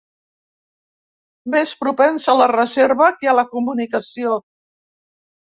Més propens a la reserva que a la comunicació